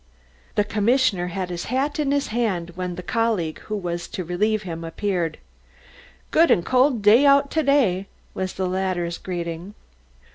The commissioner had his hat in his hand when the colleague who was to relieve him appeared. "Good and cold out to day!" was the latter's greeting.